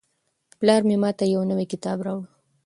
پلار مې ماته یو نوی کتاب راوړ.